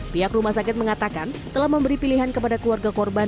pihak rumah sakit mengatakan telah memberi pilihan kepada keluarga korban